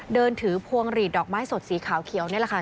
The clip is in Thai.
เดินถือพวงหลีดดอกไม้สดสีขาวเขียวนี่แหละค่ะ